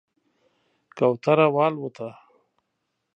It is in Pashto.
کوتره والوته